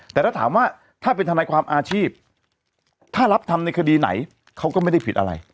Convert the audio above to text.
แต่ถ้าถามว่าถ้าเป็นทนายความอาชีพถ้ารับทำในคดีไหนเขาก็ไม่ได้ผิดอะไร